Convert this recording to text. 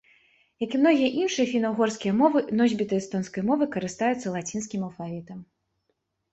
Як і многія іншыя фіна-ўгорскія мовы, носьбіты эстонскай мовы карыстаюцца лацінскім алфавітам.